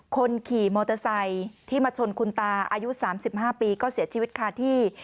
คนขี่มอเตอร์ไซค์ที่มาชนคุณตาอายุ๓๕ปีก็เสียชีวิตคาที่